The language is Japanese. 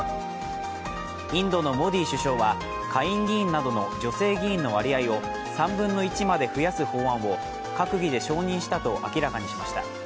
インドのモディ首相は下院議員などの女性議員の割合を３分の１まで増やす法案を閣議で承認したと明らかにしました。